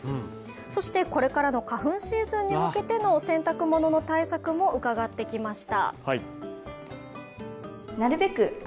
そして、これからの花粉シーズンに向けてのお洗濯物の対策も伺ってきました。